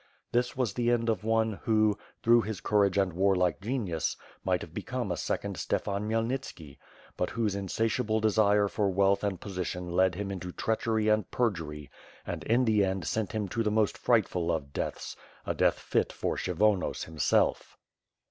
This was the end of one who, through his courage and warlike genius might have become a second Stefan Khmyelnitski; but whose insatiable desire for wealth and position led him into treachery and perjury and in the end sent him to the most frightful of deaths, a death fit for Kshyvonos himself.